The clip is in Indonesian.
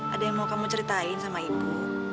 ada yang mau kamu ceritain sama ibu